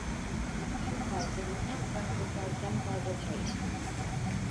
Şu halde muhakkak yatarken fazla çay içtiniz!